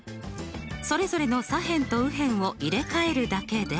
それぞれの左辺と右辺を入れ替えるだけで。